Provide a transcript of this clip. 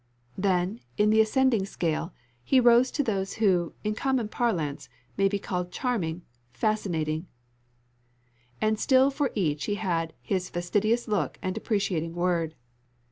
Then, in the ascending scale, he rose to those who, in common parlance, may be called charming, fascinating; and still for each he had his fastidious look and depreciating word.